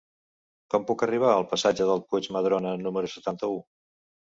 Com puc arribar al passatge del Puig Madrona número setanta-u?